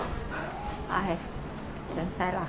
เกินทางซ้ายหลัง